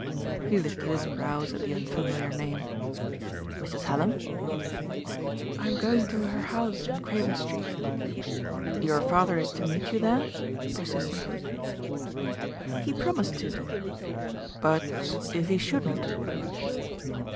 He lifted his brows at the unfamiliar name. "Mrs. Hallam ?" "I am going to her house in Craven Street." "Your father is to meet you there?" persistently. "He promised to." "But if he shouldn't?"